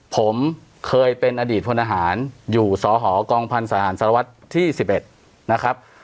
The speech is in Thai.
ผมเคยเป็นอดีตพลทหารอยู่สหกองพันธหารสารวัตรที่๑๑นะครับ